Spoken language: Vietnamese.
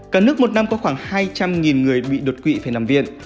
cả nước một năm có khoảng hai trăm linh người bị đột quỵ phải nằm viện